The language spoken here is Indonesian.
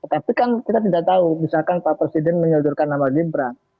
tapi kan kita tidak tahu misalkan pak presiden menyodorkan nama gibran